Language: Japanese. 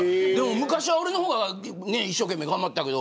昔は俺の方が一生懸命、頑張ったけど。